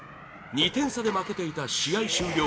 ２点差で負けていた試合終了